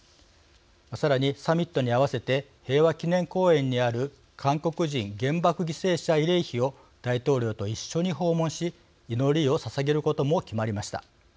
さらにサミットに合わせて平和記念公園にある韓国人原爆犠牲者慰霊碑を大統領と一緒に訪問し祈りをささげることも決まりました。